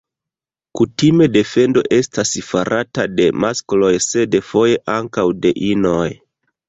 Kutime defendo estas farata de maskloj sed foje ankaŭ de inoj.